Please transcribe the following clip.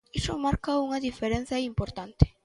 Iso marca unha diferenza importante.